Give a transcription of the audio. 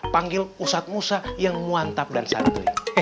panggil usat musa yang muantab dan santri